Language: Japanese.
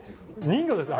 人魚ですか？